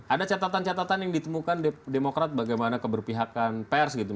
ada catatan catatan yang ditemukan demokrasi bagaimana keberpihakan pembangunan